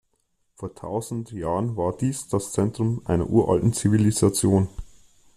Vor tausend Jahren war dies das Zentrum einer uralten Zivilisation.